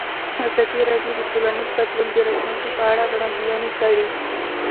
ازادي راډیو د ټولنیز بدلون د راتلونکې په اړه وړاندوینې کړې.